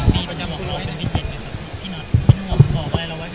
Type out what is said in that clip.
มีประจำว่าเค้าเป็นพิเศษไหมครับพี่นัท